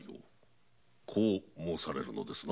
こう申されるのですな